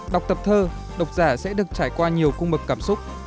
đọc tập thơ độc giả sẽ được trải qua nhiều cung mực cảm xúc